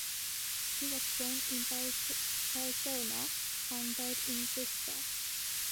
He was born in Barcelona and died in Bastia.